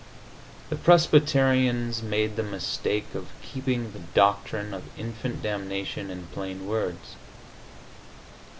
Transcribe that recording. The Presbyterians made the mistake of keeping the doctrine of infant damnation in plain words.